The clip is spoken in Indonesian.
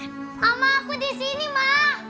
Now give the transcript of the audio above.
mama aku disini ma